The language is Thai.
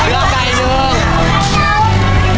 ชุดที่๔ข้าวเหนียว๒ห้อชุดที่๔